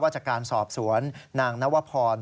จากการสอบสวนนางนวพร